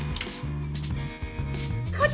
課長！